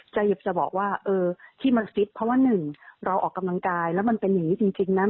จะบอกว่าเออที่มันฟิตเพราะว่าหนึ่งเราออกกำลังกายแล้วมันเป็นอย่างนี้จริงนะ